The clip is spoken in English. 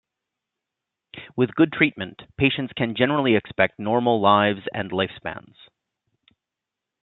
With good treatment patients can generally expect normal lives and lifespans.